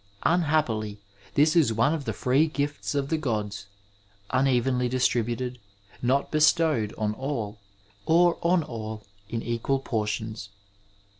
Unhappil7, this is one of the free gifts of the gods, unevenl7 distributed, not bestowed on all, or on all in equal portions.